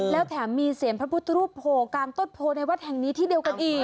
แล้วแถมมีเสียงพระพุทธรูปโผล่กลางต้นโพในวัดแห่งนี้ที่เดียวกันอีก